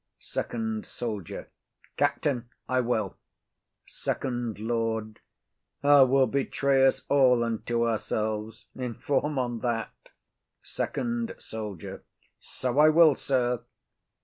SECOND SOLDIER. Captain, I will. FIRST LORD. 'A will betray us all unto ourselves; Inform on that. SECOND SOLDIER. So I will, sir.